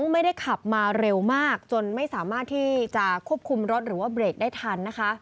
ไม่ได้ขับมาเร็วมากจนไม่สามารถที่จะควบคุมรถหรือว่าเบรกได้ทันนะคะ